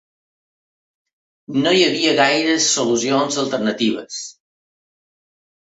No hi havia gaires solucions alternatives.